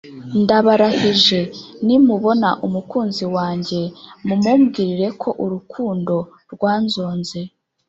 Ndabarahije m nimubona umukunzi wanjye n mumumbwirire ko urukundo rwanzonze